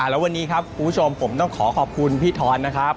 แล้ววันนี้ครับคุณผู้ชมผมต้องขอขอบคุณพี่ทอนนะครับ